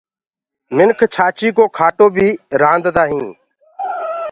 منک ڇآچيٚ ڪو کاٽو بيٚ پڪآندآ هينٚ۔